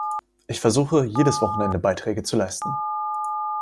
Ich versuche, jedes Wochenende Beiträge zu leisten.